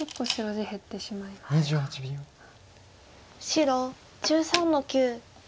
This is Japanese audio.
白１３の九。